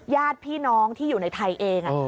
ญาติพี่น้องที่อยู่ในไทยเอง